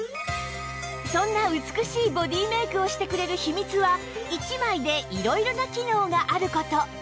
そんな美しいボディーメイクをしてくれる秘密は１枚で色々な機能がある事